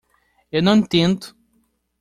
Eu não entendo.